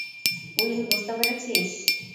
Will, বুঝতে পেরেছিস?